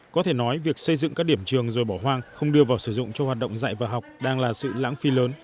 có thể nói việc xây dựng các điểm trường rồi bỏ hoang không đưa vào sử dụng cho hoạt động dạy và học đang là sự lãng phí lớn